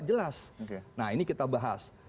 jelas nah ini kita bahas